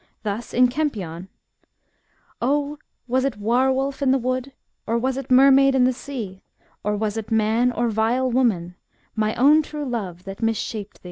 Thus in Kempion v>\o / •/^\d i Vi^^ O was it war wolf in the wood ?// Or was it mermaid in the sea? Or was it man, or vile woman, My ain true love, that mis shaped thee?